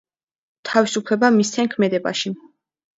თავისუფლება მისცენ ქმედებაში.